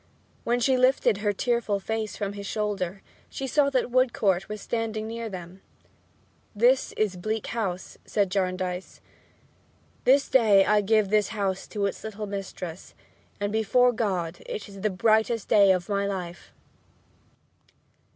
When she lifted her tearful face from his shoulder she saw that Woodcourt was standing near them. "This is 'Bleak House,'" said Jarndyce. "This day I give this house its little mistress, and, before God, it is the brightest day of my life!"